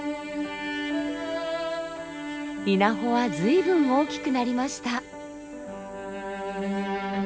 稲穂はずいぶん大きくなりました。